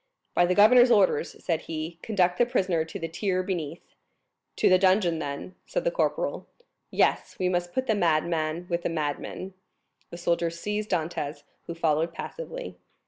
"By the governor's orders," said he, "conduct the prisoner to the tier beneath." "To the dungeon, then," said the corporal. "Yes; we must put the madman with the madmen." The soldiers seized Dantès, who followed passively.